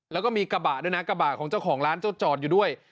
แล้วก็มีกระบะด้วยนะกระบะของเจ้าของร้านเจ้าจอดอยู่ด้วย